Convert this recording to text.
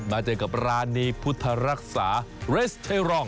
มาเจอกับร้านนี้พุทธรักษาเรสเทรอล